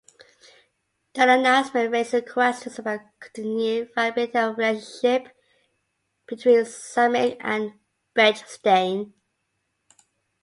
The announcement raises questions about continued viability of relationship between Samick and Bechstein.